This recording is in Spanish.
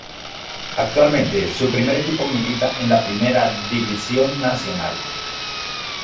Actualmente, su primer equipo milita en la Primera División Nacional.